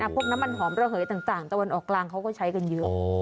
พวกน้ำมันหอมระเหยต่างตะวันออกกลางเขาก็ใช้กันเยอะ